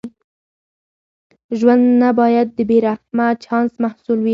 ژوند نه باید د بې رحمه چانس محصول وي.